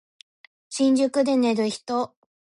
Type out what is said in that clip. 新宿で寝る人